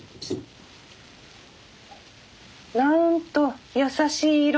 なんと優しい色。